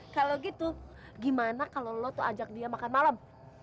kalau gitu gimana kalau lu ajak dia makan malam